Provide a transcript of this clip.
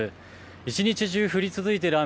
１日中降り続いている雨